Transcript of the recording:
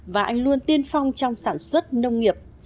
và anh luôn tiên phong trong sản xuất nông nghiệp